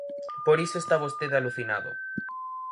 Por iso está vostede alucinado.